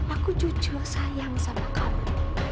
aku jujur sayang sama kamu